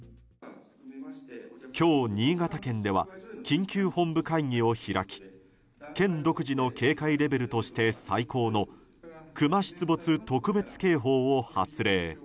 今日、新潟県では緊急本部会議を開き県独自の警戒レベルとして最高のクマ出没特別警報を発令。